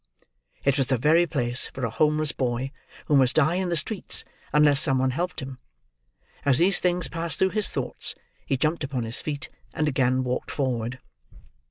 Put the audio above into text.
It was the very place for a homeless boy, who must die in the streets unless some one helped him. As these things passed through his thoughts, he jumped upon his feet, and again walked forward.